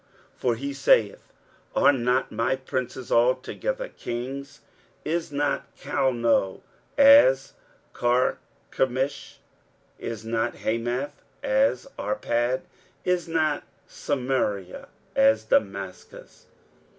23:010:008 For he saith, Are not my princes altogether kings? 23:010:009 Is not Calno as Carchemish? is not Hamath as Arpad? is not Samaria as Damascus?